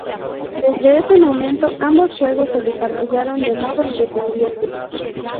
Desde ese momento ambos juegos se desarrollaron de modo independiente.